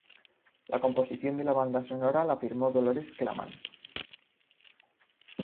La composición de la banda sonora la firmó Dolores Claman.